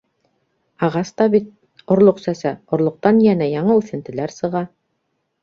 - Ағас та бит орлоҡ сәсә, орлоҡтан йәнә яңы үҫентеләр сыға.